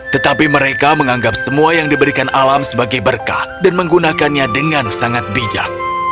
tetapi mereka menganggap semua yang diberikan alam sebagai berkah dan menggunakannya dengan sangat bijak